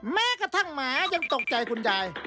แม้กระทั่งหมายังตกใจคุณยาย